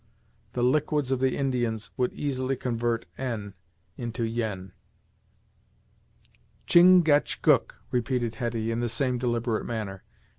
The liquids of the Indians would easily convert "En" into "Yen."] "Chin gach gook," repeated Hetty, in the same deliberate manner.